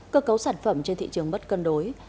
cơ cấu sản phẩm trên thị trường mất cân đối